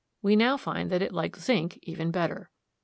We now find that it likes zinc even better.